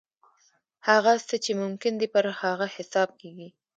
هغه څه چې ممکن دي پر هغه حساب کېږي.